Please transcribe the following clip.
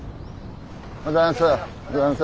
おはようございます。